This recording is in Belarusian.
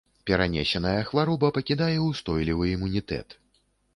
Перанесеная хвароба пакідае ўстойлівы імунітэт.